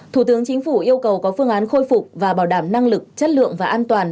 thủ tướng chính phủ yêu cầu có phương án khôi phục và bảo đảm năng lực chất lượng và an toàn